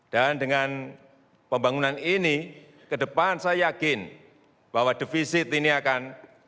dan dengan pembangunan ini ke depan saya yakin bahwa defisit ini akan